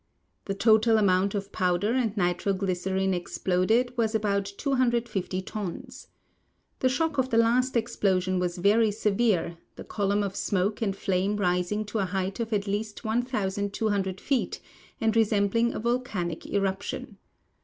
The total amount of powder and nitro glycerine ex ploded was about 250 tons. The shock of the last explosion was very severe, the column of smoke and flame rising to a height of at least 1,200 feet, and resembling a volcanic eruption.